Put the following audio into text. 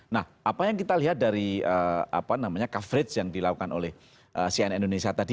nah apa yang kita lihat dari coverage yang dilakukan oleh cnn indonesia tadi